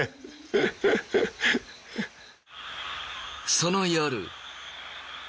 その夜。